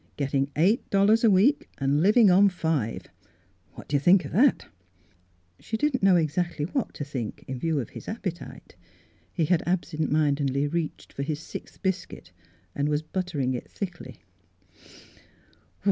Getting eight dollars a week, and living on five. What do you think of that.? " She didn't know exactly what to think, in view of his appetite. He had absent mindedly reached for his sixth biscuit and was buttering it thickly.